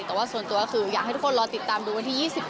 แต่ว่าส่วนตัวก็คืออยากให้ทุกคนรอติดตามดูวันที่๒๘